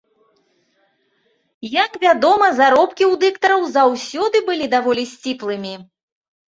Як вядома, заробкі ў дыктараў заўсёды былі даволі сціплымі.